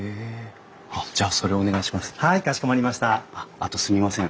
あとすみません。